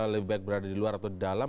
lebih baik berada di luar atau di dalam